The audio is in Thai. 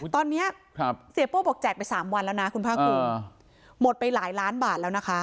ตอนนี้เสียโป้บอกแจกไป๓วันแล้วนะคุณภาคภูมิหมดไปหลายล้านบาทแล้วนะคะ